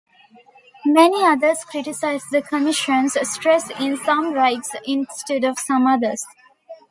Many others criticize the Commission's stress in some rights instead of some others.